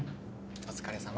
お疲れさま。